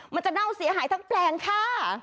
เน่าเสียหายทั้งแปลงค่ะ